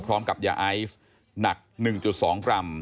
พร้อมกับยาไอซ์หนัก๑๒กรัม